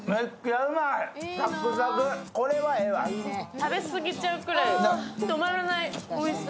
食べ過ぎちゃうぐらい、止まらないおいしさ。